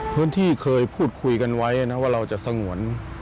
พื้นที่เคยพูดคุยกันไว้นะว่าเราจะสงวน